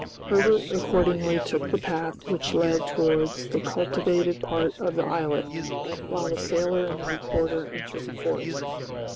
Herbert accordingly took the path which led towards the cultivated part of the islet, while the sailor and the reporter entered the forest.